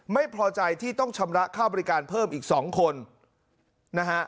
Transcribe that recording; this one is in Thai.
ไม่พอใจที่ต้องชำระค่าบริการเพิ่มอีก๒คนนะฮะ